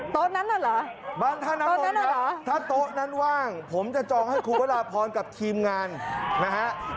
โต๊ะนั้นหรอบ้านท่าน้ำมนตร์ครับถ้าโต๊ะนั้นว่างผมจะจองให้ครูเวลาพรกับทีมงานนะฮะ